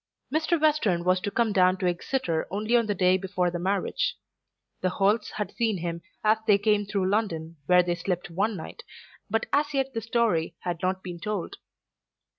Mr. Western was to come down to Exeter only on the day before the marriage. The Holts had seen him as they came through London where they slept one night, but as yet the story had not been told.